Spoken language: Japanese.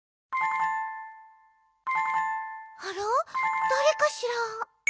あらだれかしら？